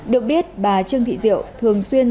được biết bà trương thị diệu thường xuyên